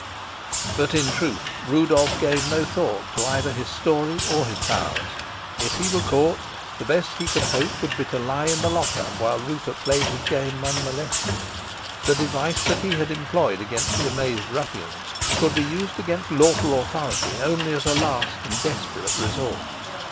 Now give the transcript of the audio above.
But, in truth, Rudolf gave no thought to either his story or his powers. If he were caught, the best he could hope would be to lie in the lockup while Rupert played his game unmolested. The device that he had employed against the amazed ruffians could be used against lawful authority only as a last and desperate resort.